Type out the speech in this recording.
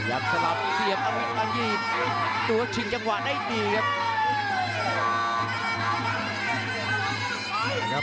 อาคีย์ดูขวาใหญ่ดีครับ